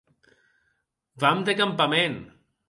Anem de campament!